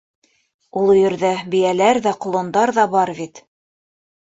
Ул өйөрҙә бейәләр ҙә, ҡолондар ҙа бар бит.